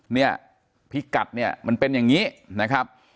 เนี่ยพิกัดเนี่ยมันเป็นอย่างนี้นะครับ